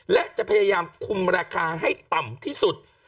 และจะพยายามคุมราคาให้ต่ำที่สุด